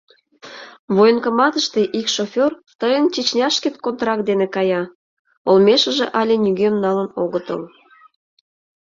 Военкоматыште ик шофёр тыйын Чечняшкет контракт дене кая, олмешыже але нигӧм налын огытыл.